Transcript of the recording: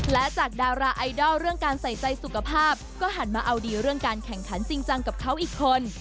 และจากดาราไอดอลเรื่องการใส่ใจสุขภาพก็หันมาเอาดีเรื่องการแข่งขันจริงจังกับเขาอีกคน